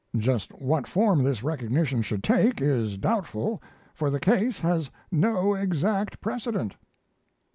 Just what form this recognition should take is doubtful, for the case has no exact precedent."